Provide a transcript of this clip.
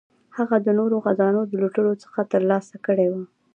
هغه د نورو خزانو د لوټلو څخه ترلاسه کړي وه.